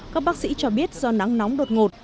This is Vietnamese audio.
các bác sĩ cho biết do nắng nóng đột ngột